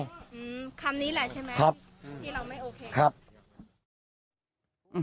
อืมคำนี้แหละใช่ไหมที่เราไม่โอเคครับ